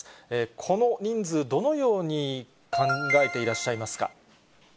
この人数、どのように考えていらっしゃいますか？